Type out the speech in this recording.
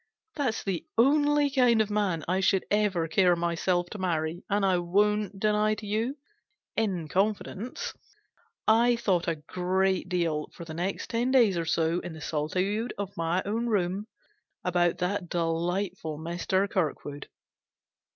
That's the only kind of man I should ever care myself to marry; GENERAL PASSAVANT'S WILL. 335 and I won't deny to you in confidence I thought a great deal, for the next ten days or so, in the solitude of my own room, about that delightful Mr. Kirkwood.